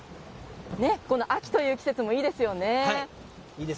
秋という季節もいいですよね。